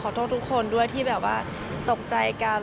โทษทุกคนด้วยที่แบบว่าตกใจกัน